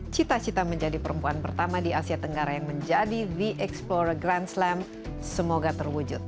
cita cita menjadi perempuan pertama di asia tenggara yang menjadi the explorer grand slam semoga terwujud